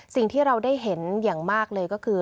สิ่งที่เราได้เห็นอย่างมากเลยก็คือ